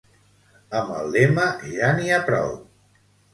Amb el lema Ja n'hi ha prou!